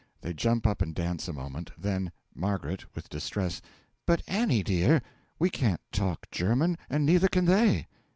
(They jump up and dance a moment then ) M. (With distress.) But, Annie dear! we can't talk German and neither can they!